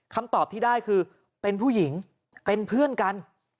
คำตอบที่ได้คือเป็นผู้หญิงเป็นเพื่อนกัน